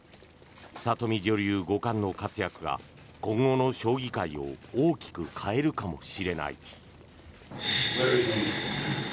里見女流五冠の活躍が今後の将棋界を大きく変えるかもしれない。